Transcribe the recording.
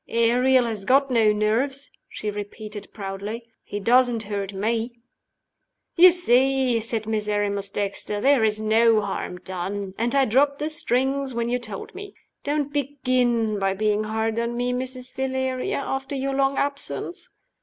"Ariel has got no nerves," she repeated, proudly. "He doesn't hurt me." "You see," said Miserrimus Dexter, "there is no harm done and I dropped the strings when you told me. Don't begin by being hard on me, Mrs. Valeria, after your long absence."